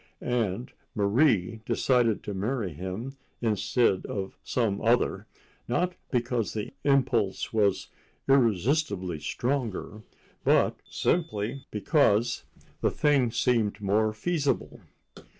And Marie decided to marry him instead of some other, not because the impulse was irresistibly stronger, but simply because the thing seemed more feasible.